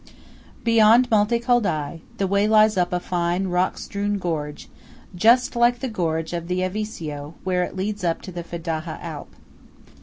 Beyond Monte Coldai, the way lies up a fine rock strewn gorge, just like the gorge of the Avisio where it leads up to the Fedaja Alp.